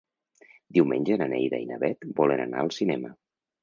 Diumenge na Neida i na Bet volen anar al cinema.